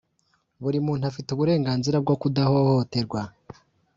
buri muntu afite uburenganzira bwo kudahohoterwa.